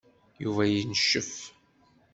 Yuba yencef.